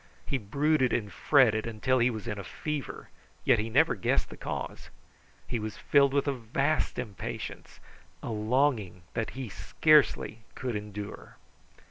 He brooded and fretted until he was in a fever; yet he never guessed the cause. He was filled with a vast impatience, a longing that he scarcely could endure.